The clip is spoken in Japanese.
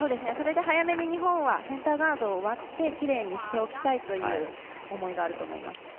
早めに日本はセンターガードを割ってきれいにしておきたい思いがあると思います。